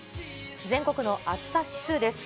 全国の暑さ指数です。